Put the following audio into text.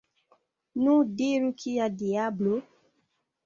Nu, diru, kia diablo?